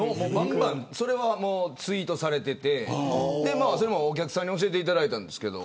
それはツイートされててそれも、お客さんに教えていただいたんですけど。